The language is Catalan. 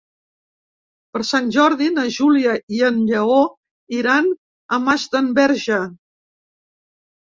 Per Sant Jordi na Júlia i en Lleó iran a Masdenverge.